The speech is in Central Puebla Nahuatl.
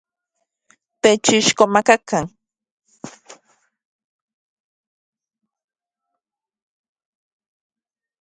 Techixkomakakan.